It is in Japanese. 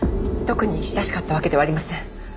特に親しかったわけではありません。